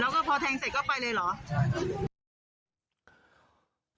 แล้วก็พอแทงเสร็จก็ไปเลยเหรอใช่